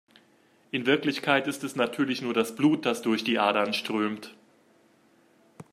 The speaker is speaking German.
In Wirklichkeit ist es natürlich nur das Blut, das durch die Adern strömt.